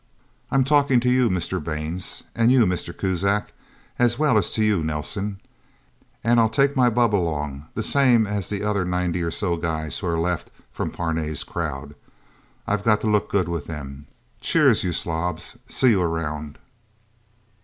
I'm talking to you, Mr. Baines, and you, Mr. Kuzak, as well as to you, Nelsen. And I'm take my bubb along, the same as the other ninety or so guys who are left from Parnay's crowd. I've got to look good with them... Cheers, you slobs. See you around..."